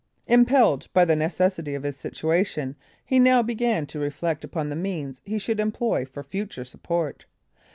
Impelled by the necessity of his situation, he now began to reflect upon the means he should employ for future support.